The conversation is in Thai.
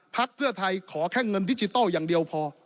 พักเพื่อไทยขอแค่เงินดิจิทัลอย่างเดียวพอ